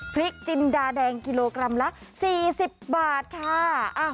พริกจินดาแดงกิโลกรัมละ๔๐บาทค่ะ